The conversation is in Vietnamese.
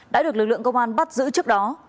đã được lực lượng công an bắt giữ trước đó